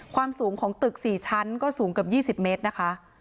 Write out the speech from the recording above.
ความสูงของตึกสี่ชั้นก็สูงกับยี่สิบเมตรนะคะ